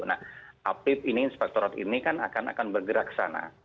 nah apip ini inspektorat ini kan akan bergerak ke sana